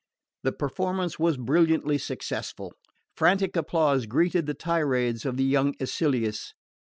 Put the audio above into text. The performance was brilliantly successful. Frantic applause greeted the tirades of the young Icilius.